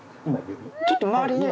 ちょっと周りね。